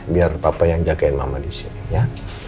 biar papa yang jagain mama disini ya